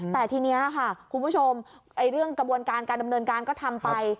แต่ทีนี้ค่ะคุณผู้ชมเรื่องกระบวนการการดำเนินการก็ทำไป